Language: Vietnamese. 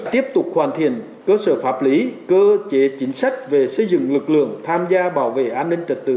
tiếp tục hoàn thiện cơ sở pháp lý cơ chế chính sách về xây dựng lực lượng tham gia bảo vệ an ninh trật tự